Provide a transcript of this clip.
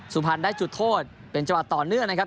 สุพรรณได้จุดโทษเป็นจังหวะต่อเนื่องนะครับ